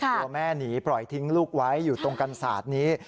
ตัวแม่หนีปล่อยทิ้งลูกไว้อยู่ตรงกันศาสตร์นี้